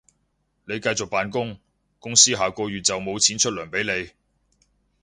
你繼續扮工，公司下個月就無錢出糧畀你